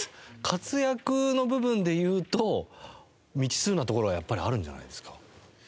活躍の部分で言うと未知数なところはやっぱりあるんじゃないですか？